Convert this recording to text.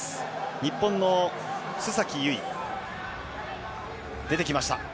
日本の須崎優衣、出てきました。